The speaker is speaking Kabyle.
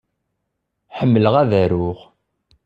Ḥemmleɣ ad aruɣ.